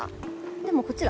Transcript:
でもこっちだ。